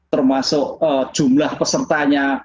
termasuk jumlah pesertanya